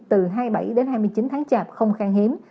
từ hai mươi bảy đến hai mươi chín tháng chạp không khang hiếm